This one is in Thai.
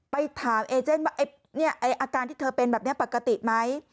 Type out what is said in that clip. ไปถามเอเจนว่าอาการที่เธอเป็นแบบนี้ปกติไหม